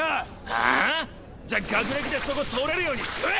はあ⁉じゃあ学歴でそこ通れるようにしろや！